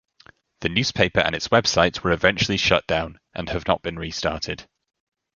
The newspaper and its website were eventually shut down and have not been restarted.